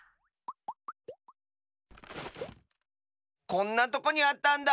こんなとこにあったんだ。